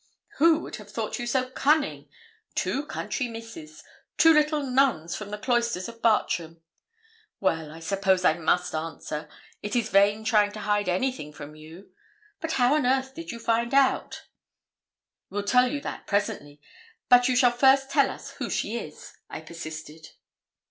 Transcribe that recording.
'Who would have thought you so cunning? Two country misses two little nuns from the cloisters of Bartram! Well, I suppose I must answer. It is vain trying to hide anything from you; but how on earth did you find it out?' 'We'll tell you that presently, but you shall first tell us who she is,' I persisted.